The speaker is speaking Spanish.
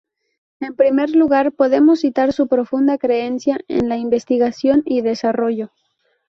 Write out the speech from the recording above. En primer lugar podemos citar su profunda creencia en la investigación y desarrollo.